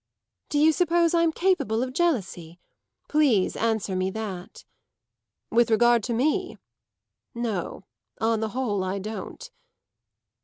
"Do you suppose I'm capable of jealousy? Please answer me that." "With regard to me? No; on the whole I don't."